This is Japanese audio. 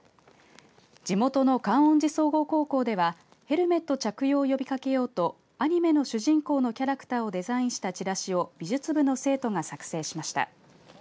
地元の観音寺市総合高校ではヘルメット着用を呼びかけようとアニメの主人公のキャラクターをデザインしたチラシを美術部の生徒が作成しました。